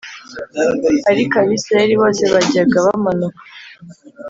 Ariko abisirayeli bose bajyaga bamanuka